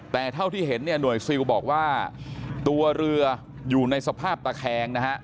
แต่เท่าที่เห็นเนี่ยหน่วยซิลบอกว่าตัวเรืออยู่ในสภาพตะแคงนะฮะ